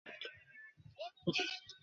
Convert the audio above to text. এখানে দেখা যাচ্ছে পরনে তার ধুতি আর শাল।